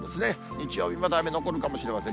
日曜日、まだ雨残るかもしれません。